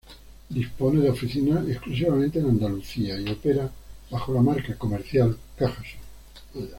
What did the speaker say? Dispone de oficinas exclusivamente en Andalucía y opera bajo la marca comercial CajaSur.